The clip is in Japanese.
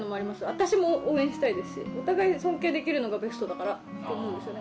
私も応援したいですし、お互い尊敬できるのがベストだからと思うんですね。